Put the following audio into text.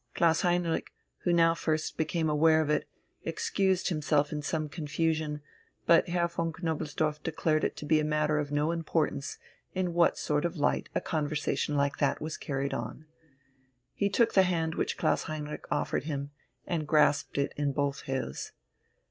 Klaus Heinrich, who now first became aware of it, excused himself in some confusion, but Herr von Knobelsdorff declared it to be a matter of no importance in what sort of light a conversation like that was carried on. He took the hand which Klaus Heinrich offered him, and grasped it in both his.